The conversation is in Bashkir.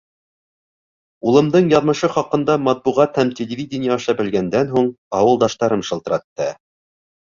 Улымдың яҙмышы хаҡында матбуғат һәм телевидение аша белгәндән һуң, ауылдаштарым шылтыратты.